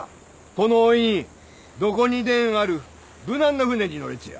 このおいにどこにでんある無難な船に乗れちゃ？